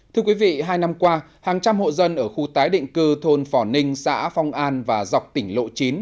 thưa quý vị hai năm qua hàng trăm hộ dân ở khu tái định cư thôn phỏ ninh xã phong an và dọc tỉnh lộ chín